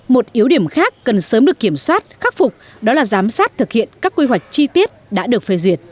một yếu điểm khác cần sớm được kiểm soát khắc phục đó là giám sát thực hiện các quy hoạch chi tiết đã được phê duyệt